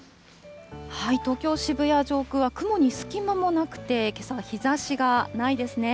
東京・渋谷上空は雲に隙間もなくて、けさ、日ざしがないですね。